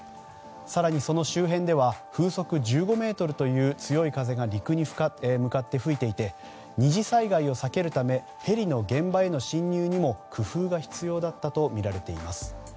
更に、その周辺では風速１５メートルという強い風が陸に向かって吹いていて二次災害を避けるためヘリの現場への進入にも工夫が必要だったとみられています。